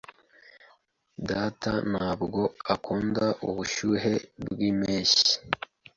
Data ntabwo akunda ubushyuhe bwimpeshyi.